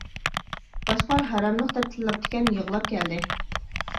باشقىلار ھاراملىق دەپ تىللاپتىكەن، يىغلاپ كەلدى.